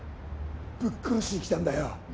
ぶっ殺しに来たんだよ